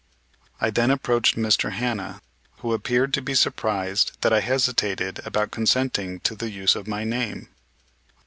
I then approached Mr. Hanna, who appeared to be surprised that I hesitated about consenting to the use of my name.